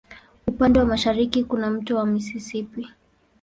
Upande wa mashariki kuna wa Mto Mississippi.